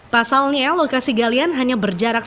pasalnya lokasi galian hanya berada di